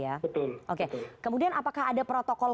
betul kemudian apakah ada protokol